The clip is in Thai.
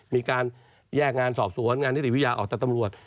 มีการแยกงานสอบสวนงานนิติวิทยาออกจากตำรวจ